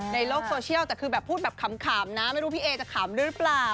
ในโลกโซเชียลแต่คือแบบพูดแบบขำนะไม่รู้พี่เอจะขำด้วยหรือเปล่า